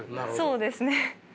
そうですね。